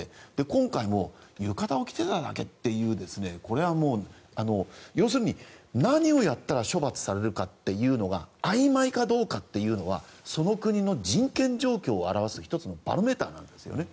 今回も浴衣を着てただけというこれは要するに何をやったら処罰されるか曖昧かどうかっていうのはその国の人権状況を表す１つのバロメーターなんですよね。